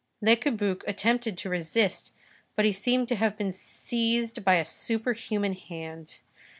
Le Cabuc attempted to resist, but he seemed to have been seized by a superhuman hand.